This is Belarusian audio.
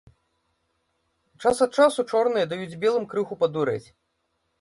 Час ад часу чорныя даюць белым крыху падурэць.